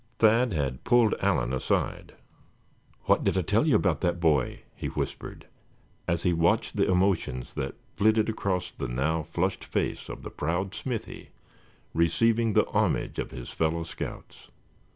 Thad had pulled Allan aside. "What did I tell you about that boy?" he whispered, as he watched the emotions that flitted across the now flushed face of the proud Smithy, receiving the homage of his fellow scouts.